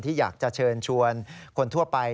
อยากจะเชิญชวนคนทั่วไป